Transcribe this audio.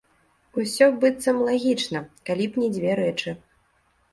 Усё, быццам, лагічна, калі б не дзве рэчы.